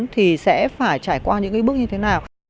thì sẽ phải trải qua những cái bước như thế nào